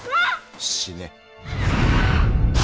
死ね。